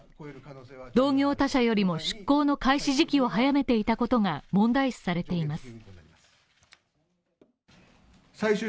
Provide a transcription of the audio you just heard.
同業他社よりも出航の開始時期を早めていたことが問題視されています。